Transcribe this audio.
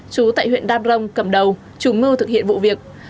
trú tại huyện đam rông cầm đầu chủ mưu thực hiện vụ việc